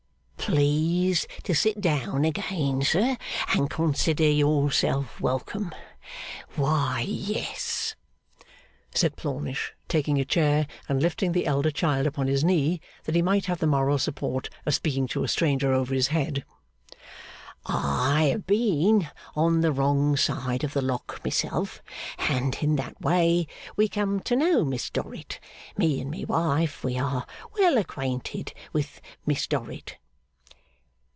'Please to sit down again, Sir, and consider yourself welcome. Why, yes,' said Plornish, taking a chair, and lifting the elder child upon his knee, that he might have the moral support of speaking to a stranger over his head, 'I have been on the wrong side of the Lock myself, and in that way we come to know Miss Dorrit. Me and my wife, we are well acquainted with Miss Dorrit.